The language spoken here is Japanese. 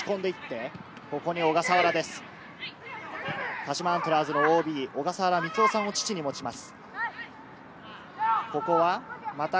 鹿島アントラーズのＯＢ、小笠原満男さんを父に持ちます。